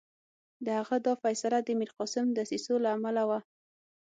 د هغه دا فیصله د میرقاسم دسیسو له امله وه.